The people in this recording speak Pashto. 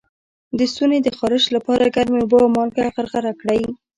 د ستوني د خارش لپاره ګرمې اوبه او مالګه غرغره کړئ